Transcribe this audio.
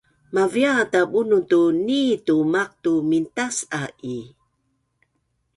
Mavia ata Bunun tu nitu maqtu mintas’a i?